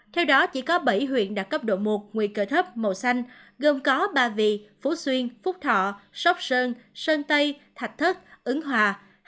theo đó chỉ có bảy huyện đạt cấp độ một nguy cơ thấp màu xanh gồm có ba vị phú xuyên phúc thọ sóc sơn sơn tây thạch thất ứng hòa